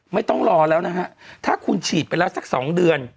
ไม่ต้องรอแล้วนะฮะถ้าคุณฉีดไปแล้วสัก๒เดือน